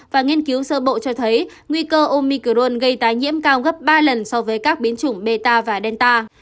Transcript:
và nghiên cứu sơ bộ cho thấy nguy cơ omicron gây tái nhiễm cao gấp ba lần so với các biến chủng meta và delta